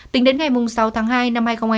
tính đến ngày sáu tháng hai năm hai nghìn hai mươi